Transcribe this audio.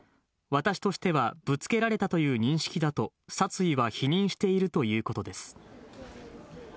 私としてはぶつけられたという認識だと、殺意は否認しているということです。